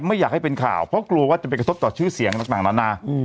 ไม่อยากให้เป็นข่าวเพราะกลัวว่าจะไปกระทบต่อชื่อเสียงต่างนานา